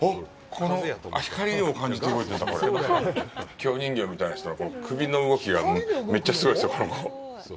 京人形みたいな人のこの首の動きがめっちゃすごいですよ、この子。